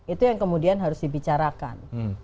itu yang kemudian harus dibicarakan